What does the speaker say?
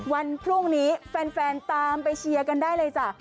วันพรุ่งนี้แฟนตามไปเชียร์กันได้เลยจ้ะ